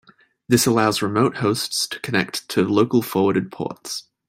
This allows remote hosts to connect to local forwarded ports.